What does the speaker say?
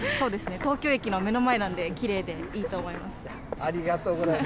東京駅の目の前なんで、きれいでありがとうございます。